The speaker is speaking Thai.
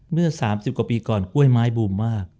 เมื่อ๓๐กว่าปีก่อนกล้วยไม้บูมมาก